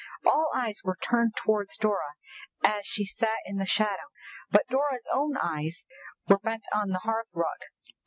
All eyes were turned towards Dora as she sat in the shadow, but Dora's own eyes were bent on the hearthrug.